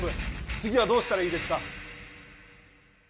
次はどうしたらいいですか！